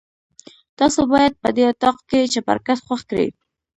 تاسو باید په دې اطاق کې چپرکټ خوښ کړئ.